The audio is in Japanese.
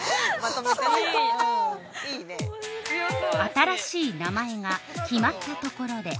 ◆新しい名前が決まったところで。